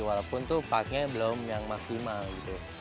walaupun tuh parknya belum yang maksimal gitu